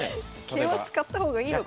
桂馬使った方がいいのか？